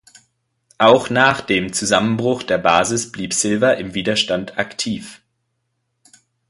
Auch nach dem Zusammenbruch der Basis blieb Silva im Widerstand aktiv.